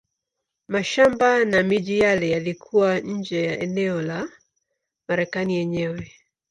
Mashamba na miji yale yalikuwa nje ya eneo la Marekani yenyewe.